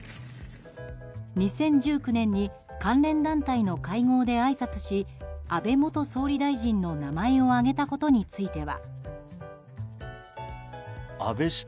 ２０１９年に関連団体の会合であいさつし安倍元総理大臣の名前を挙げたことについては。